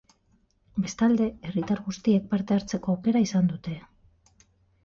Bestalde, herritar guztiek parte hartzeko aukera izan dute.